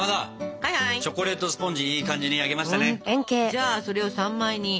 じゃあそれを３枚に。